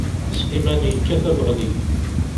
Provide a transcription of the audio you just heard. Sliman yekkat abeɣli.